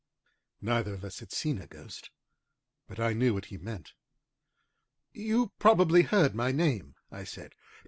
Neither of us had seen a ghost, but I knew what he meant. "You probably heard my name, " I said.